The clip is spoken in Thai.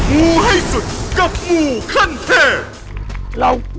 มูให้สุดกับมูขั้นแพง